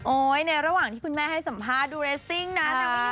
ในระหว่างที่คุณแม่ให้สัมภาษณ์ดูเรสซิ่งนะ